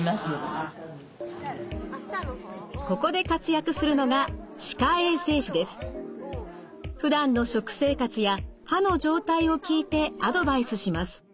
ここで活躍するのがふだんの食生活や歯の状態を聞いてアドバイスします。